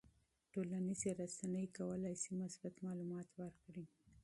ټولنیزې رسنۍ کولی شي مثبت معلومات ورکړي.